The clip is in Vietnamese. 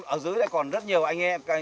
ở dưới còn rất nhiều anh em